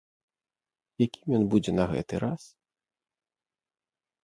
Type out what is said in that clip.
Якім ён будзе на гэты раз?